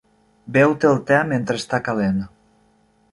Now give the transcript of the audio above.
Beu-te el te mentre està calent.